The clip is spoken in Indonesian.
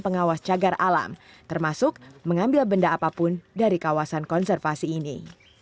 pengawas cagar alam termasuk mengambil benda apapun dari kawasan konservasi ini